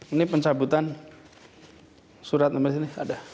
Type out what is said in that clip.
ini pencabutan surat nomor ini